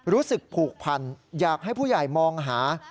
รู้สึกผูกพันอยากให้ผู้ใหญ่มองหา